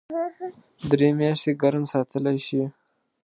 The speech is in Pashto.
درې میاشتې ګرم ساتلی شي .